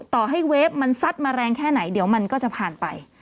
ต่อให้เวฟมันซัดมาแรงแค่ไหนเดี๋ยวมันก็จะผ่านไป